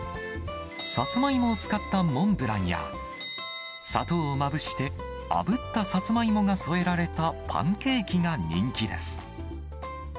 サツマイモを使ったモンブランや、砂糖をまぶして、あぶったサツマイモが添えられたパンケーキが人気です。